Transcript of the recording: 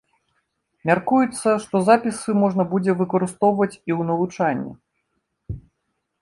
Мяркуецца, што запісы можна будзе выкарыстоўваць і ў навучанні.